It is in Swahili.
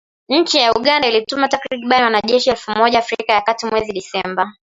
Nchi ya Uganda ilituma takribani wanajeshi elfu moja Afrika ya kati mwezi Disemba.